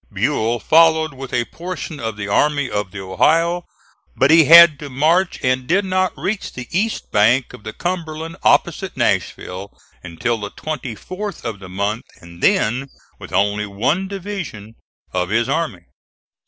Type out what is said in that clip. Buell followed with a portion of the Army of the Ohio, but he had to march and did not reach the east bank of the Cumberland opposite Nashville until the 24th of the month, and then with only one division of his army.